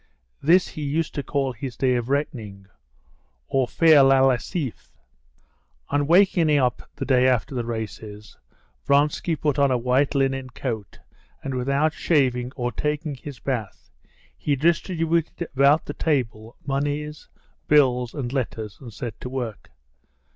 This he used to call his day of reckoning or faire la lessive. On waking up the day after the races, Vronsky put on a white linen coat, and without shaving or taking his bath, he distributed about the table moneys, bills, and letters, and set to work.